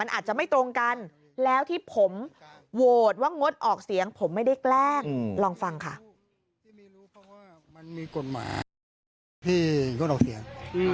มันอาจจะไม่ตรงกันแล้วที่ผมโหวตว่างดออกเสียง